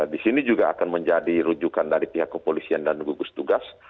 di sini juga akan menjadi rujukan dari pihak kepolisian dan gugus tugas